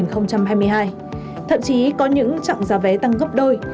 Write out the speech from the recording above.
thậm chí có những chặng giá vé tăng gấp đôi